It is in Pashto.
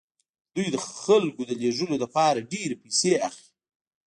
دوی د خلکو د لیږدولو لپاره ډیرې پیسې اخلي